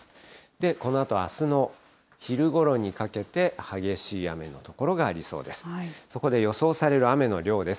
で、このあとあすの昼ごろにかけて、激しい雨の所がありそうです。